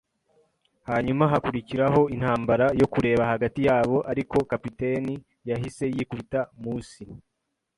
Hanyuma hakurikiraho intambara yo kureba hagati yabo, ariko kapiteni yahise yikubita munsi,